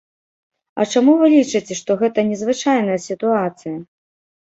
А чаму вы лічыце, што гэта незвычайная сітуацыя?